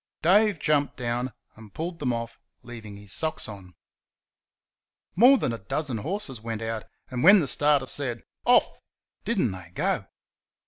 Dave jumped down and pulled them off leaving his socks on. More than a dozen horses went out, and when the starter said "Off!" did n't they go!